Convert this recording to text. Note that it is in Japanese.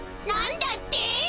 なんだって！